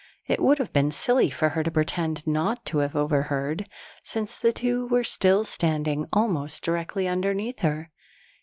It would have been silly for her to pretend not to have overheard, since the two were still standing almost directly underneath her.